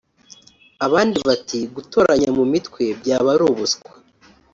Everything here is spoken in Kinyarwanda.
" Abandi bati "Gutoranya mu mitwe byaba ari ubuswa